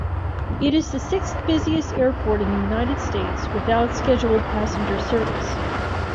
It is the sixth-busiest airport in the United States without scheduled passenger service.